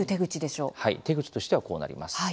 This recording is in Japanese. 手口としてはこうなります。